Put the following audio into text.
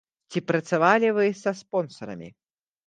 Ці працавалі вы са спонсарамі?